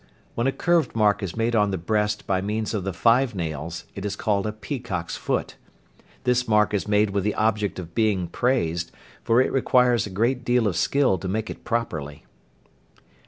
When a curved mark is made on the breast by means of the five nails, it is called a "peacock's foot." This mark is made with the object of being praised, for it requires a great deal of skill to make it properly.